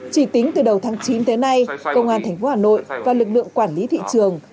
chỉ tính từ đầu tháng chín tới nay công an tp hà nội và lực lượng quản lý thị trường